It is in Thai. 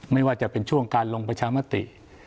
ไม่ว่าจะเป็นช่วงการลงประชามติ